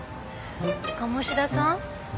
鴨志田さん。